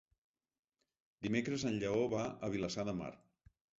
Dimecres en Lleó va a Vilassar de Mar.